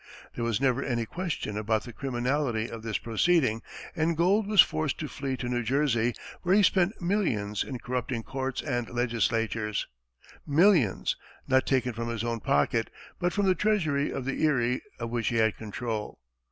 There was never any question about the criminality of this proceeding, and Gould was forced to flee to New Jersey, where he spent millions in corrupting courts and legislatures millions, not taken from his own pocket, but from the treasury of the Erie, of which he had control.